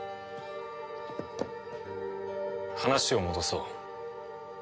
話を戻そう。